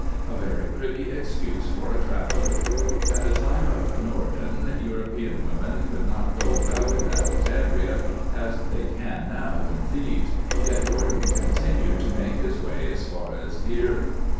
A very pretty excuse for a traveller ! At the time of Norden, European women could not go about in Alexandria as they can now in Thebes, yet Norden continued to make his way as far as Deir.